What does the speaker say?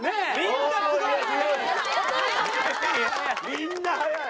みんな速い。